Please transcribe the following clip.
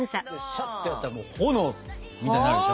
シャッてやったら炎みたいになるでしょ。